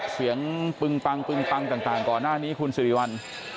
เสียงปึงปังก่อนหน้านี้คุณสิริวัล